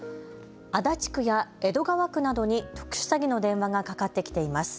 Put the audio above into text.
足立区や江戸川区などに特殊詐欺の電話がかかってきています。